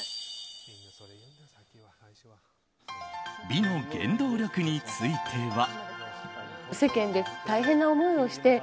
美の原動力については。